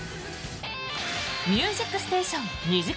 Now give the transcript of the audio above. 「ミュージックステーション」２時間